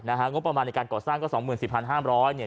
งบประมาณในการก่อสร้างก็๒๐๐๐๐๕๐๐๐๐บาท